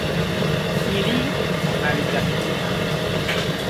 Ili aligatoras